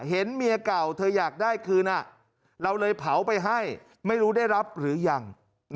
เห็นเมียเก่าเธออยากได้คืนเราเลยเผาไปให้ไม่รู้ได้รับหรือยัง